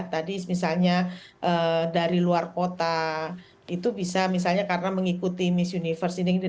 tadi misalnya dari luar kota itu bisa misalnya karena mengikuti miss universe ini